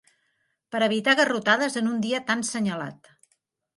Per evitar garrotades en un dia tan senyalat